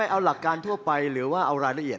เอาหลักการทั่วไปหรือว่าเอารายละเอียด